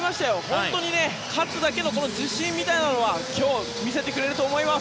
本当に勝つだけの自信は今日見せてくれると思います。